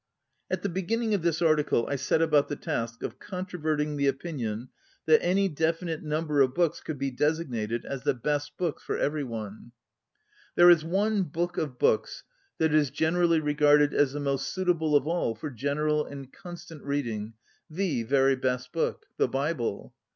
At the beginning of this article I set about the task of controverting the opinion that any definite number of books could be designated as the best books for every one. SO ON READING There is one Book of Books that is generally regarded as the most suitable of all for general and con stant reading, the very best book, ŌĆö the Bible.